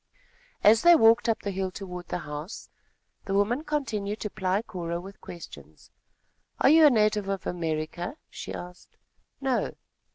As they walked up the hill toward the house, the woman continued to ply Cora with questions: "Are you a native of America?" she asked. "No."